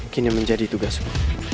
kini menjadi tugasku